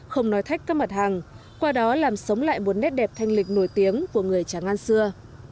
không nói thách các mặt hàng qua đó làm sống lại một nét đẹp thanh lịch nổi tiếng của người tràng an xưa